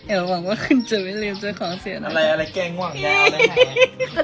เอ๋วหวังว่าคุณจะไม่ลืมเจอของเสียหน้าอะไรอะไรแก้ง่วงแล้วอะไรแหละ